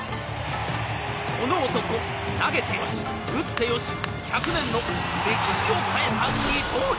この男、投げて良し、打って良し１００年の歴史を変えた二刀流。